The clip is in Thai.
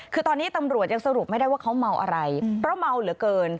คือตอนนี้ตำรวจยังสรุปไม่ได้ว่าเขาเมาอะไรเพราะเมาเหลือเกิน